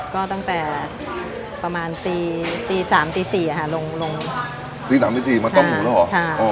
ก็ตั้งแต่ประมาณตีตีสามตีสี่ค่ะลงลงตีสามตีสี่มาต้มหมูแล้วเหรอ